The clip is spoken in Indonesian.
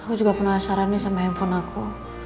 aku juga penasaran nih sama handphone aku